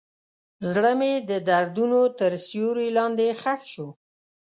زړه مې د دردونو تر سیوري لاندې ښخ شو.